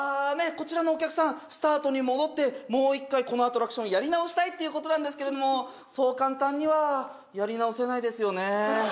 こちらのお客さんスタートに戻ってもう一回このアトラクションやり直したいっていうことなんですけれどもそう簡単にはやり直せないですよね